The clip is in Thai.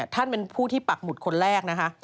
ท่านเป็นผู้ที่ปักหมุดคนแรกนะคะ